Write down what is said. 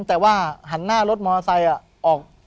แต่ว่าหันหน้ารถมอเตอร์ไซค์ออก